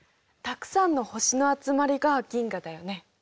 たくさんの星の集まりが銀河だよね。